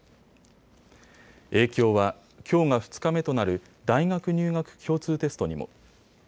影響は、きょうが２日目となる大学入学共通テストにも。